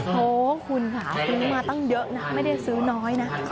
โหคุณค่ะซื้อมาตั้งเยอะนะไม่ได้ซื้อน้อยนะ